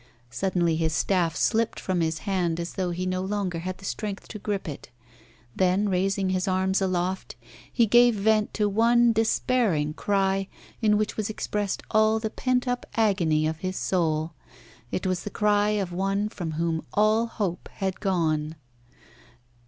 Suddenly his staff slipped from his hand as though he no longer had the strength to grip it. Then, raising his arms aloft, he gave vent to one despairing cry in which was expressed all the pent up agony of his soul. It was the cry of one from whom all hope had gone.